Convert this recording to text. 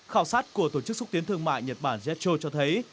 khảo sát của tổ chức xúc tiến thương mại nhật bản jetro cho thấy